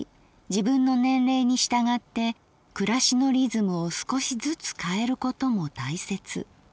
自分の年齢に従って暮しのリズムを少しずつ変えることも大切。